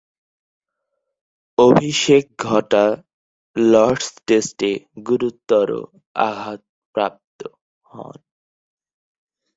অভিষেক ঘটা লর্ডস টেস্টে গুরুতর আঘাতপ্রাপ্ত হন।